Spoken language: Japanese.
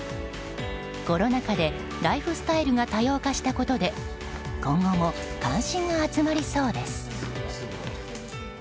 コロナ禍でライフスタイルが多様化したことで今後も関心が集まりそうです。